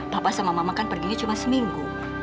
papa sama mama kan perginya cuma seminggu